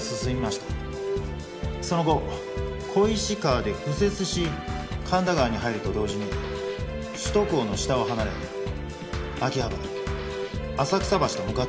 その後小石川で右折し神田川に入ると同時に首都高の下を離れ秋葉原浅草橋と向かったと思われます。